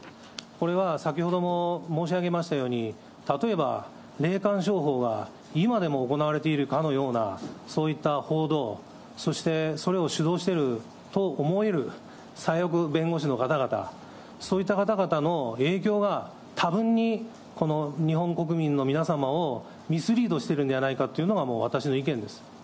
これは先ほども申し上げましたように、例えば霊感商法が今でも行われているかのような、そういった報道、そしてそれを主導していると思える左翼弁護士の方々、そういった方々の影響がたぶんにこの日本国民の皆様をミスリードしているんじゃないかというのが私の意見です。